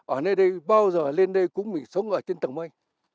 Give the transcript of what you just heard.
ở nơi đây bao giờ lên đây cũng bị sống ở trên tầng mây